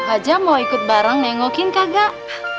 aja mau ikut bareng nengokin kagak